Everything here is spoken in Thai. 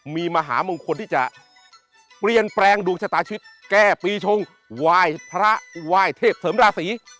มีมหามงคลที่จะเปลี่ยนแปลงดวงชะตาชีวิตแก้ปีชงไหว้พระไหว้เทพเสริมราศี